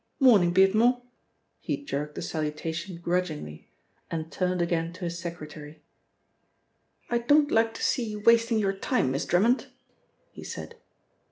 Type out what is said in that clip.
"Morning, Beardmore," he jerked the salutation grudgingly and turned again to his secretary. "I don't like to see you wasting your time, Miss Drummond," he said.